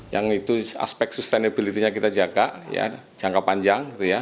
yang itu aspek sustainability nya kita jaga jangka panjang